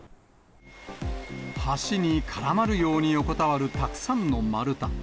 橋に絡まるように横たわるたくさんの丸太。